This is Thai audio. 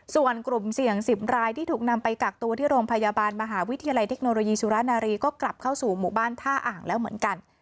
ส่วนกลุ่มเสี่ยง๑๐รายที่ถูกนำไปกักตัวที่โรงพยาบาลมหาวิทยาลัยเทคโนโลยีสุรนารีก็กลับเข้าสู่หมู่บ้านท่าอ่างแล้วเหมือนกัน